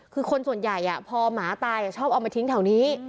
คือคนส่วนใหญ่พอหมาตายชอบเอามาทิ้งแถวนี้